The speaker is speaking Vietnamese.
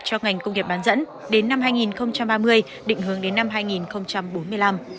cho ngành công nghiệp bán dẫn đến năm hai nghìn ba mươi định hướng đến năm hai nghìn bốn mươi năm